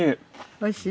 おいしい？